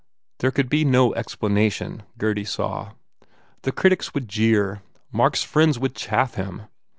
There could be no explanation, Gurdy saw. The critics would jeer. Mark s friends would chaff him.